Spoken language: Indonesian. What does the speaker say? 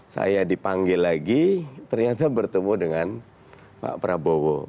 saya dipanggil lagi ternyata bertemu dengan pak prabowo